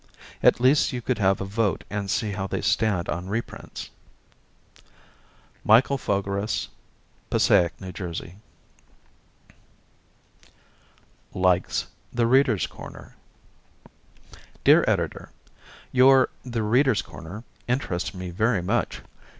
At least you could have a vote and see how they stand on reprints Michael Fogaris, 157 Fourth St., Passaic, N. J. Likes "The Readers' Corner" Dear Editor: Your "The Readers' Corner" interests me very much.